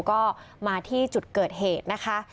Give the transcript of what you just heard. ก็มาที่จุดเกิดเหตุนะคะ